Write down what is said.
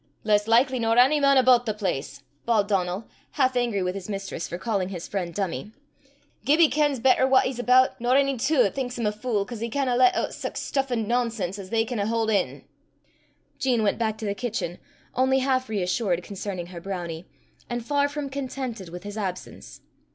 "Less likly nor ony man aboot the place," bawled Donal, half angry with his mistress for calling his friend dummie. "Gibbie kens better what he's aboot nor ony twa 'at thinks him a fule 'cause he canna lat oot sic stuff an' nonsense as they canna haud in." Jean went back to the kitchen, only half reassured concerning her brownie, and far from contented with his absence.